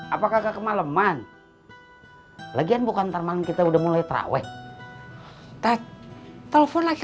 apakah kemaleman lagian bukan termalang kita udah mulai trawe tak telepon lagi